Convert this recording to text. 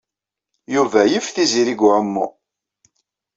Yuba yif Tiziri deg uɛumu.